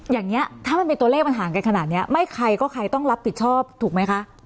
อย่างนี้ถ้ามันเป็นตัวเลขมันห่างกันขนาดนี้ไม่ใครก็ใครต้องรับผิดชอบถูกไหมคะ